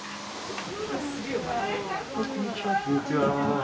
こんにちは。